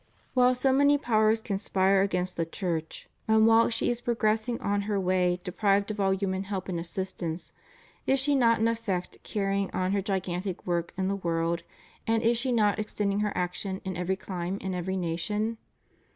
Wliile so many powers conspire against the Church and REVIEW OF HIS PONTIFfCATE. 577 while she is progressing on her way deprived of all human help and assistance, is she not in effect carrying on her gigantic work in the world and is she not extending her action in every clime and every nation?